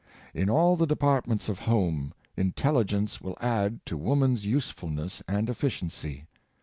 In all the departments of home, intelligence will add to woman's usefulness and efficiency.